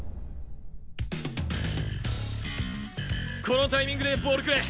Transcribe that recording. このタイミングでボールくれ！